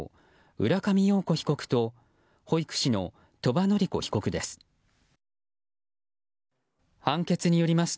浦上陽子被告と保育士の鳥羽詞子被告です。